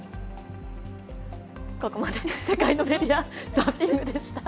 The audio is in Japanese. ここまで世界のメディア・ザッピングでした。